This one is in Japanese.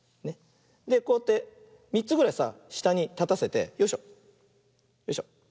でこうやって３つぐらいさしたにたたせてよいしょよいしょ。